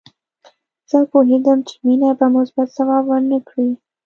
زه پوهېدم چې مينه به مثبت ځواب ورنه کړي